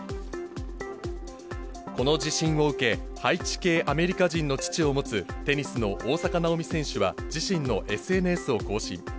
この地震を受け、ハイチ系アメリカ人の父を持つ、テニスの大坂なおみ選手は自身のＳＮＳを更新。